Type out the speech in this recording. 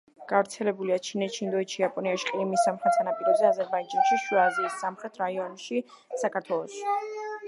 გავრცელებულია ჩინეთში, ინდოეთში, იაპონიაში, ყირიმის სამხრეთ სანაპიროზე, აზერბაიჯანში, შუა აზიის სამხრეთ რაიონებში, საქართველოში.